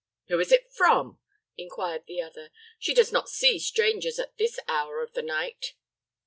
"Who is it from?" inquired the other. "She does not see strangers at this hour of the night."